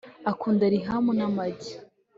akunda rihamu n'amagi